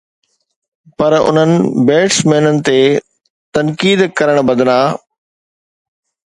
پر انهن بيٽسمينن تي تنقيد ڪرڻ بدران